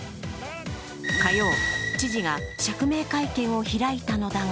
火曜、知事が釈明会見を開いたのだが